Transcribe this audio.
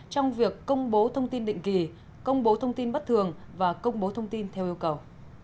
trong việc công bố thông tin định kỳ công bố thông tin bất thường và công bố thông tin theo yêu cầu